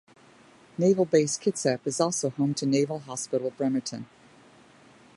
Naval Base Kitsap is also home to Naval Hospital Bremerton.